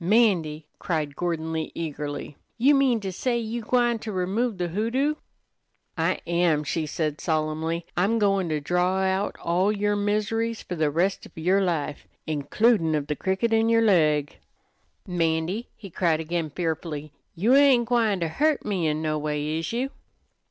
"'Mandy," cried Gordon Lee, eagerly, "you mean to say you gwine to remove the hoodoo?" "I am," she said solemnly. "I'm goin' to draw out all yer miseries fer the rest of yer life, includin' of the cricket in yer leg." "'Mandy," he cried again fearfully, "you ain't gwine ter hurt me in no way, is you?"